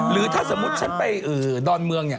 หรือถ้าสมมุติฉันไปดอนเมืองเนี่ย